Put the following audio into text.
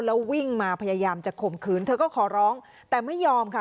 แล้ววิ่งมาพยายามจะข่มขืนเธอก็ขอร้องแต่ไม่ยอมค่ะ